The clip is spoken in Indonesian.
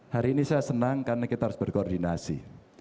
hari ini saya senang karena kita harus berkoordinasi